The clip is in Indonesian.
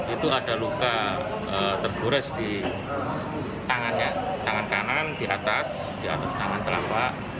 itu ada luka tergores di tangannya tangan kanan di atas di atas tangan telapa